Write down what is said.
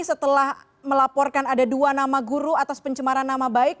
setelah melaporkan ada dua nama guru atas pencemaran nama baik